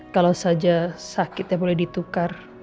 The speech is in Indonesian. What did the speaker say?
kalau saja sakitnya boleh ditukar